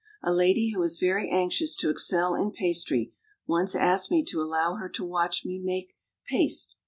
A lady who was very anxious to excel in pastry once asked me to allow her to watch me make paste.